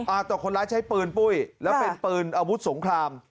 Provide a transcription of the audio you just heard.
แต่คนร้ายใช้ปืนปุ้ยแล้วเป็นปืนอาวุธสงคราม